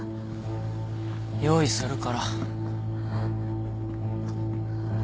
用意するから。